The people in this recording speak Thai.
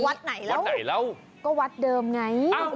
วัดไหนแล้วก็วัดเดิมไงอ้าว